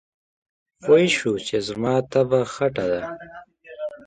پوی شو چې زما طبعه خټه ده.